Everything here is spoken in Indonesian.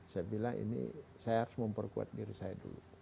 saya bilang ini saya harus memperkuat diri saya dulu